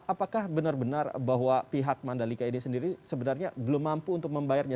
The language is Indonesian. apakah benar benar bahwa pihak mandalika ini sendiri sebenarnya belum mampu untuk membayarnya